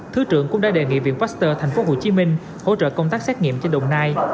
thứ trưởng cũng đã đề nghị viện pasteur tp hcm hỗ trợ công tác xét nghiệm cho đồng nai